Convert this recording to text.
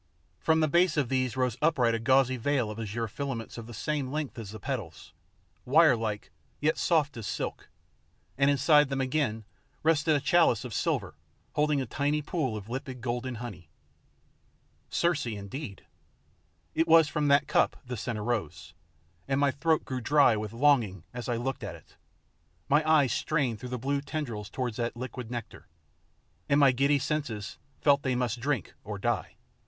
From the base of these rose upright a gauzy veil of azure filaments of the same length as the petals, wirelike, yet soft as silk, and inside them again rested a chalice of silver holding a tiny pool of limpid golden honey. Circe, indeed! It was from that cup the scent arose, and my throat grew dry with longing as I looked at it; my eyes strained through the blue tendrils towards that liquid nectar, and my giddy senses felt they must drink or die!